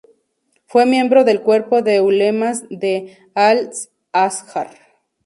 Fue miembro del cuerpo de ulemas de al-Azhar.